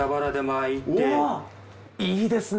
あいいですね。